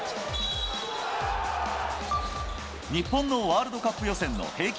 日本のワールドカップ予選の平均